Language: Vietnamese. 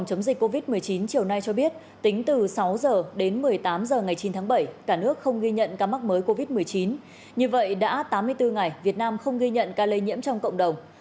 trong khoảng tám mươi bốn ngày việt nam không ghi nhận ca lây nhiễm trong cộng đồng